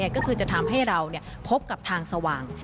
ก็คือจะทำให้เราพบกับทางสว่าง